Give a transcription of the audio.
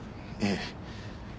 ええ。